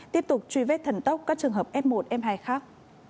tiếp tục truy vết thần tốc các trường hợp f một f hai khác